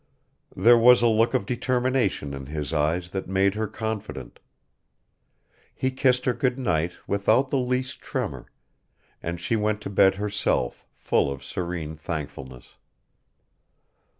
There was a look of determination in his eyes that made her confident. He kissed her good night without the least tremor, and she went to bed herself full of serene thankfulness.